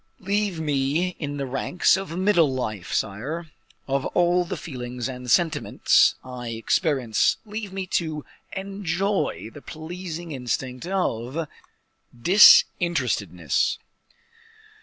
Leave me in the ranks of middle life, sire; of all the feelings and sentiments I experience, leave me to enjoy the pleasing instinct of disinterestedness."